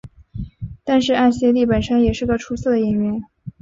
但是艾希莉本身也是个出色的演员。